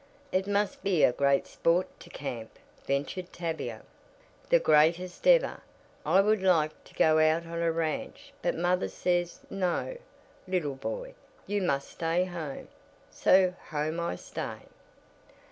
"It must be a great sport to camp," ventured Tavia. "The greatest ever! I would like to go out on a ranch but mother says 'no, little boy, you must stay home,' so home I stay."